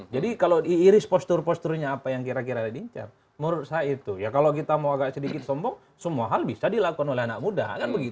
jadi kalau diiris postur posturnya apa yang kira kira ada di incer menurut saya itu ya kalau kita mau agak sedikit sombong semua hal bisa dilakukan oleh anak muda